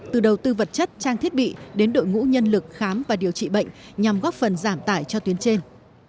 từ đầu tư vật chất trang thiết bị đến đội ngũ nhân lực khám và điều trị bệnh nhằm góp phần giảm tải cho tuyến trên